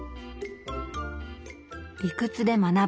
理屈で学ぶ。